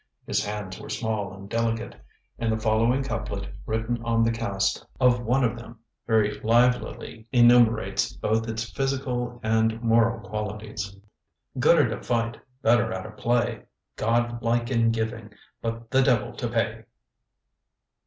His hands were small and delicate; and the following couplet, written on the cast of one of them, very livelily enumerates both its physical and moral qualities: 'Good at a fight, better at a Play, God like in giving, but the Devil to pay!